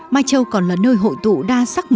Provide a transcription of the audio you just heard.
mai châu còn là nơi hội tụ đa sắc